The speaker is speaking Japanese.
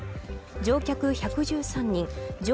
乗客１１３人